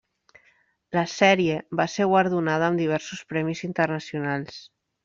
La sèrie va ser guardonada amb diversos premis internacionals.